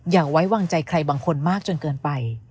อย่าไว้วางใจใครบางคนมากจนเกินไป